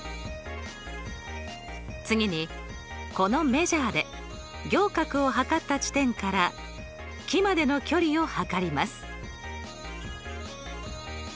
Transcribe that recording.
次にこのメジャーで仰角を測った地点から木までの距離を測ります。